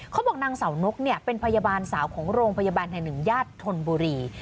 เขาบอกนางเสานกเป็นพยาบาลสาวของโรงพยาบาลแห่งหนึ่งญาติธนบุรี